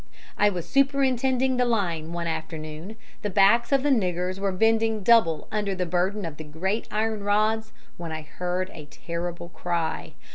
"I was superintending the line one afternoon; the backs of the niggers were bending double under the burden of the great iron rods when I heard a terrible cry.